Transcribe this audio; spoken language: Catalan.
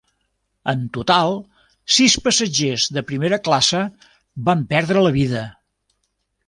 En total, sis passatgers de primera classe van perdre la vida.